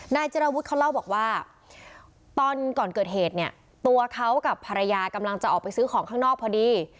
เจรวุฒิเขาเล่าบอกว่าตอนก่อนเกิดเหตุเนี่ยตัวเขากับภรรยากำลังจะออกไปซื้อของข้างนอกพอดี